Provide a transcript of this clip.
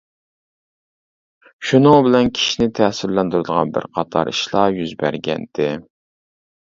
شۇنىڭ بىلەن كىشىنى تەسىرلەندۈرىدىغان بىر قاتار ئىشلار يۈز بەرگەنتى.